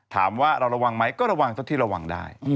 ถามว่าเราระวังไหมก็ระวังเท่าที่ระวังได้